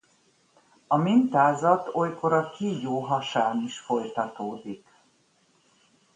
A mintázat olykor a kígyó hasán is folytatódik.